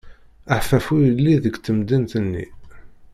Aḥeffaf ur yelli deg temdint-nni.